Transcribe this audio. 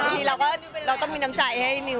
ที่นี่เราก็ต้องมีน้ำใจให้นิ้ว